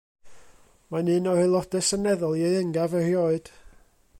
Mae'n un o'r Aelodau Seneddol ieuengaf erioed.